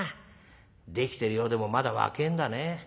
できてるようでもまだ若えんだね。